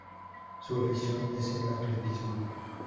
Su afición es el atletismo.